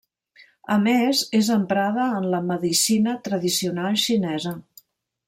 A més, és emprada en la medicina tradicional xinesa.